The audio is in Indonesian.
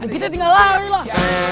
kita tinggal lari lah